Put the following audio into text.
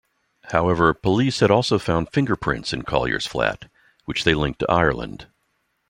However, police had also found fingerprints in Collier's flat, which they linked to Ireland.